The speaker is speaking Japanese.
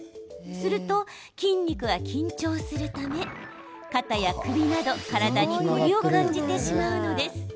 すると筋肉が緊張するため肩や首など体に凝りを感じてしまうのです。